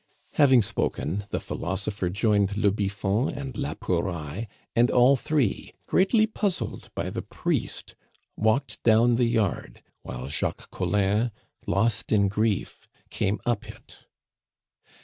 Having spoken, the philosopher joined le Biffon and la Pouraille, and all three, greatly puzzled by the priest, walked down the yard, while Jacques Collin, lost in grief, came up it.